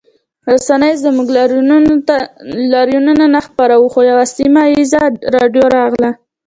رسنیو زموږ لاریون نه خپراوه خو یوه سیمه ییزه راډیو راغله